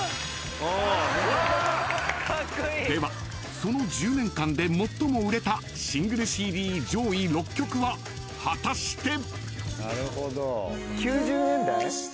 ではその１０年間で最も売れたシングルＣＤ上位６曲は果たして？］